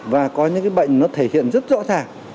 và có những cái bệnh nó thể hiện rất rõ ràng